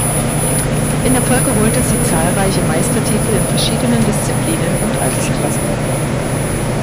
In der Folge holte sie zahlreiche Meistertitel in verschiedenen Disziplinen und Altersklasse.